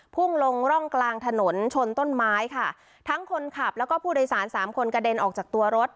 พุ่งลงร่องกลางถนนชนต้นไม้ค่ะทั้งคนขับแล้วก็ผู้โดยสารสามคนกระเด็นออกจากตัวรถ